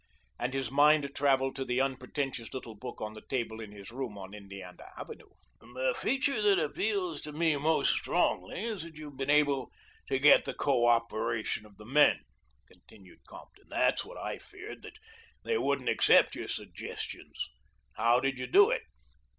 And his mind traveled to the unpretentious little book on the table in his room on Indiana Avenue. "The feature that appeals to me most strongly is that you have been able to get the cooperation of the men," continued Compton "that's what I feared that they wouldn't accept your suggestions. How did you do it?"